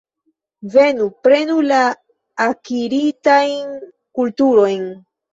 Venu, prenu la akiritajn kulturojn.